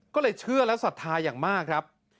ก็เลยเชื่อและศรัทธาอย่างมากครับ